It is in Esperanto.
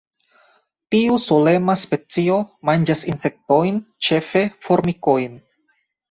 Tiu solema specio manĝas insektojn, ĉefe formikojn.